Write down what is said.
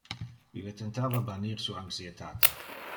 Ille tentava bannir su anxietate.